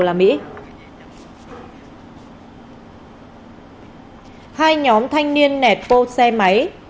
hai nhóm thanh niên nẹt bô xe máy